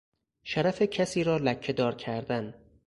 شرف کسی را لکه دار کردن